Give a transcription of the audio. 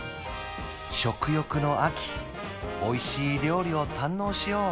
食欲の秋おいしい料理を堪能しよう